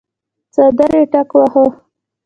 څادر يې ټکواهه.